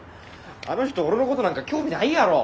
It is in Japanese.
あの人俺のことなんか興味ないやろ。